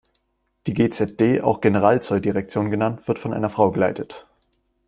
Die G-Z-D, auch Generalzolldirektion genannt wird von einer Frau geleitet.